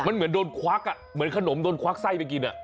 มันเหมือนขนมโดนควากใส้ไปกิน